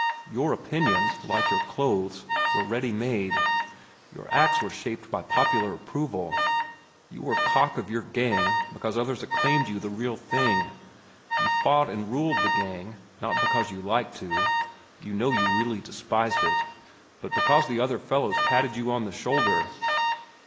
Your opinions, like your clothes, were ready made; your acts were shaped by popular approval. You were cock of your gang because others acclaimed you the real thing. You fought and ruled the gang, not because you liked to,—you know you really despised it,—but because the other fellows patted you on the shoulder.